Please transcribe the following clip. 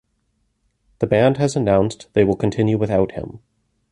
The band has announced they will continue without him.